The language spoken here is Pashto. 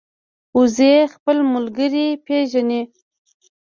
وزې خپل ملګري پېژني